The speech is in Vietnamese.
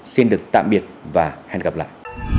xin được tạm biệt và hẹn gặp lại